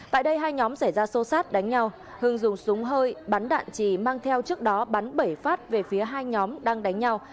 tại đây hai nhóm xảy ra sâu sát đánh nhau hưng dùng súng hơi bắn đạn chỉ mang theo trước đó bắn bể phát về phía hai nhóm đang đánh nhau